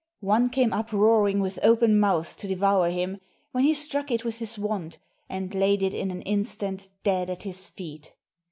One came up roaring with open mouth to devour him, when he struck it with his wand, and laid it in an instant dead at his feet.